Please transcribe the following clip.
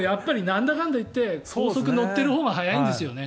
なんだかんだいって高速乗っているほうが早いんですよね。